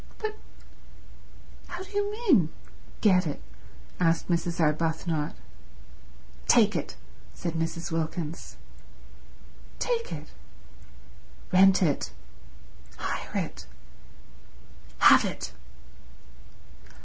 "But—how do you mean, get it?" asked Mrs. Arbuthnot. "Take it," said Mrs. Wilkins. "Take it?" "Rent it. Hire it. Have it."